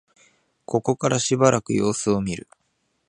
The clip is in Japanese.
ここからしばらく様子を見る